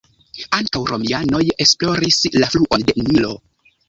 Ankaŭ romianoj esploris la fluon de Nilo.